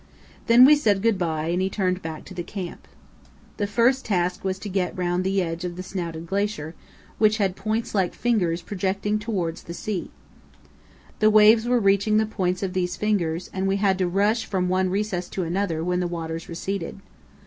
Then we said good bye and he turned back to the camp. The first task was to get round the edge of the snouted glacier, which had points like fingers projecting towards the sea. The waves were reaching the points of these fingers, and we had to rush from one recess to another when the waters receded.